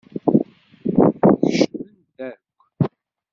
Kecment akk.